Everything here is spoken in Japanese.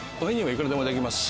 いくらでもできます。